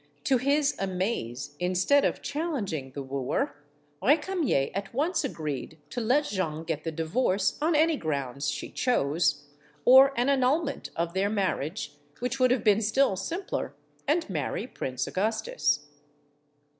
To his amaze, instead of challenging the wooer, Recamier at once agreed to let Jeanne get the divorce, on any grounds she chose or an annulment of their marriage, which would have been still simplex and marry Prince Augustus.